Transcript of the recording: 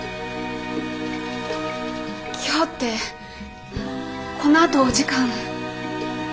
今日ってこのあとお時間。